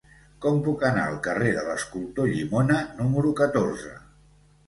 Com puc anar al carrer de l'Escultor Llimona número catorze?